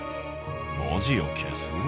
文字を消す？